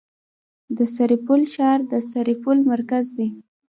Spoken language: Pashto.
د سرپل ښار د سرپل مرکز دی